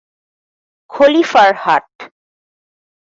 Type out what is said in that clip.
খলিফার হাট।